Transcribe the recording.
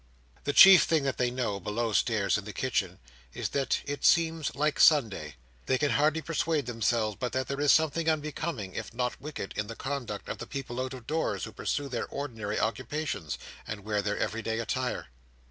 The chief thing that they know, below stairs, in the kitchen, is that "it seems like Sunday." They can hardly persuade themselves but that there is something unbecoming, if not wicked, in the conduct of the people out of doors, who pursue their ordinary occupations, and wear their everyday attire.